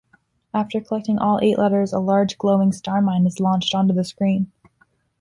After collecting all eight letters, a large glowing Starmine is launched onto the screen.